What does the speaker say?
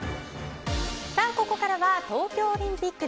ここからは東京オリンピック